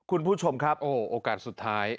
โอ้โหโอกาสสุดท้าย